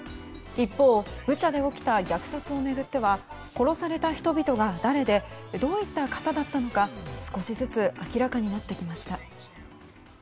一方、ブチャで起きた虐殺を巡っては殺された人々が誰でどういった方だったのか少しずつ明らかになってきました。